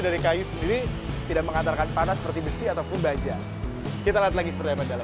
dari kayu sendiri tidak mengatakan panas seperti besi ataupun baja kita lagi selesai pada